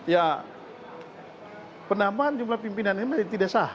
ya penambahan jumlah pimpinan ini tidak sah